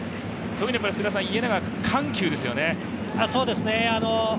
特に家長は緩急ですよね。